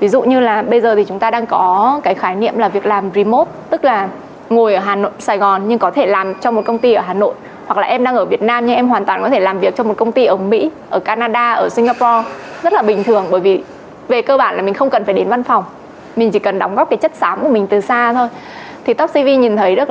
ví dụ là việc làm remote đã là một cái kênh tuyển dụng mà topcv đã xây dựng